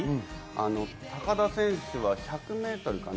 高田選手は１００ｍかな？